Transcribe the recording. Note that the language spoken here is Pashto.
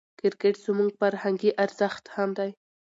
کرکټ زموږ فرهنګي ارزښت هم دئ.